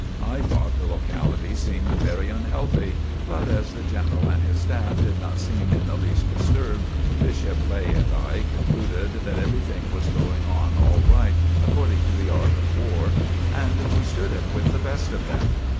I thought the locality seemed very unhealthy, but as the General and his staff did not seem in the least disturbed, Bishop Lay and I concluded that everything was going on all right according to the art of war and we stood it with the best of them.